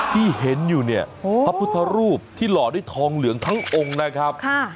ที่เห็นอยู่เนี่ยพระพุทธรูปที่หล่อด้วยทองเหลืองทั้งองค์นะครับ